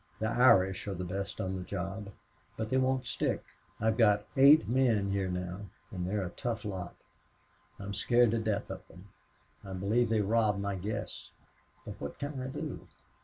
The Irish are the best on the job. But they won't stick. I've got eight men here now, and they are a tough lot. I'm scared to death of them. I believe they rob my guests. But what can I do?